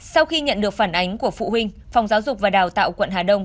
sau khi nhận được phản ánh của phụ huynh phòng giáo dục và đào tạo quận hà đông